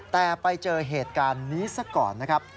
แต่ไปเจอเหตุการณ์นี้ซะก่อนนะครับ